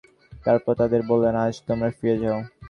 তারপর তাদের বললেন, আজ তোমরা ফিরে যাও।